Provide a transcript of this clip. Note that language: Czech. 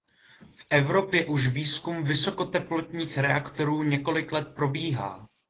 V Evropě už výzkum vysokoteplotních reaktorů několik let probíhá.